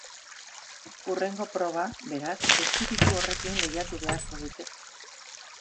Hurrengo proba, beraz, espiritu horrekin lehiatu beharko dute.